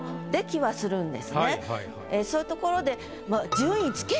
そういうところで。